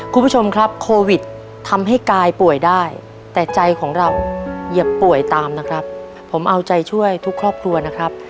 คุณผู้ชมครับโควิดทำให้กายป่วยได้แต่ใจของเราเหยียบป่วยตามนะครับผมเอาใจช่วยทุกครอบครัวนะครับ